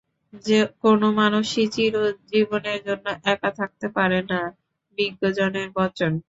কোনো মানুষই চির জীবনের জন্য একা থাকতে পারে না, বিজ্ঞজনের বচন।